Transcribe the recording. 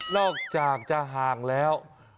อกจากจะห่างแล้ว